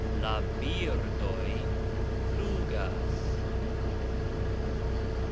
La birdoj flugas.